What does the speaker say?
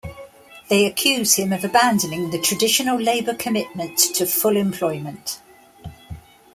They accuse him of abandoning the traditional Labour commitment to full employment.